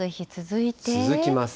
続きます。